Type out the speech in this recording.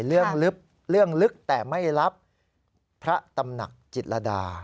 ลึกเรื่องลึกแต่ไม่รับพระตำหนักจิตรดา